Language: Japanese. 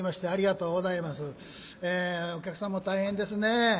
お客さんも大変ですね。